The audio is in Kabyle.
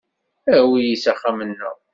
Awi-iyi s axxam-nneɣ.